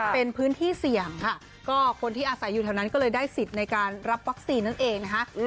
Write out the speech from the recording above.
เป็นพื้นที่เสี่ยงค่ะก็คนที่อาศัยอยู่แถวนั้นก็เลยได้สิทธิ์ในการรับวัคซีนนั่นเองนะคะ